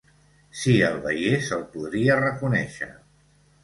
Si el veiés el podria reconèixer.